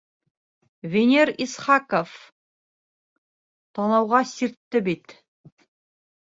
Венер ИСХАҠОВ Танауға сиртте бит!